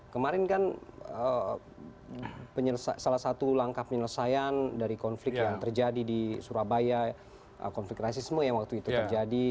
kemarin kan salah satu langkah penyelesaian dari konflik yang terjadi di surabaya konflik rasisme yang waktu itu terjadi